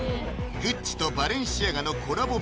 グッチとバレンシアガのコラボ